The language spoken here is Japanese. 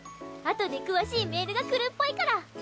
あとで詳しいメールが来るっぽいから。